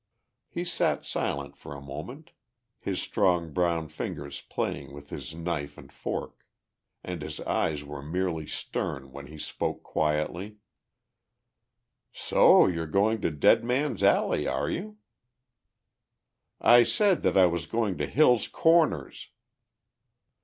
He sat silent for a moment, his strong brown fingers playing with his knife and fork. And his eyes were merely stern when he spoke quietly. "So you're going to Dead Man's Alley, are you?" "I said that I was going to Hill's Corners!"